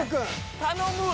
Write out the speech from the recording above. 頼むわ。